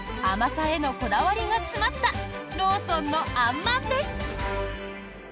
甘さへのこだわりが詰まったローソンのあんまんです。